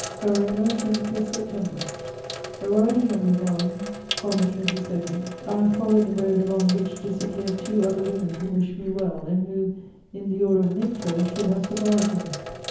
_'" "ARONA, 25 September. "Arriving at Lausanne on the 22nd, I followed the road along which disappeared two other women who wished me well and who, in the order of nature, should have survived me.